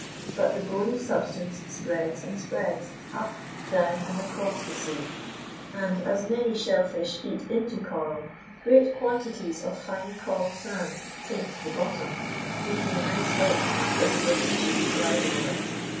But the bony substance spreads and spreads, up, down, and across the sea. And as many shell fish eat into coral, great quantities of fine coral sand sink to the bottom, making a nice white carpet for the fishes to glide over.